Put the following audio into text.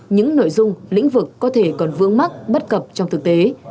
những nội dung lĩnh vực có thể còn vướng mắt bất cập trong thực tế